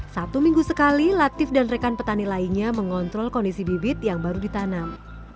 satu minggu sekali latif dan rekan petani lainnya mengontrol kondisi bibit yang baru ditanam